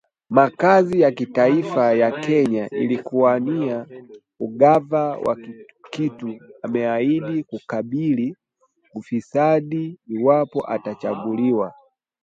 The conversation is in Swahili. makazi ya kitaifa ya Kenya ili kuwania ugava wa Kitui ameahidi kukabili ufisadi iwapo atachaguliwa